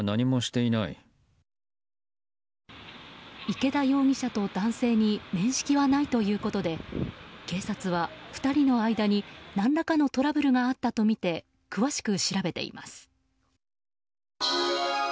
池田容疑者と男性に面識はないということで警察は、２人の間に何らかのトラブルがあったとみて詳しく調べています。